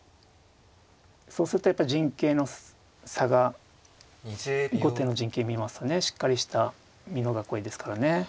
そうするとやっぱり陣形の差が後手の陣形見ますとねしっかりした美濃囲いですからね。